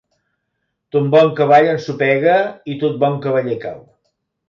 Tot bon cavall ensopega i tot bon cavaller cau.